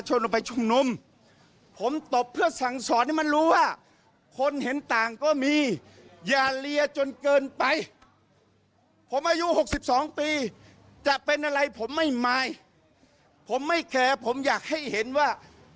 จนเกินไปผมอายุ๖๒ปีจะเป็นอะไรผมไม่มายผมไม่แคร์ผมอยากให้เห็นว่า